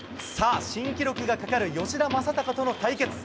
さあ、新記録がかかる吉田正尚との対決。